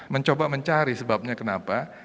mencoba mencari sebabnya kenapa